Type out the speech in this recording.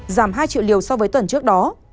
giảm hai triệu liều so với tuần trước đó